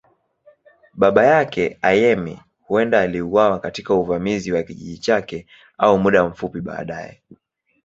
Baba yake, Ayemi, huenda aliuawa katika uvamizi wa kijiji chake au muda mfupi baadaye.